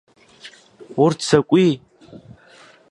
Урҭ закәи?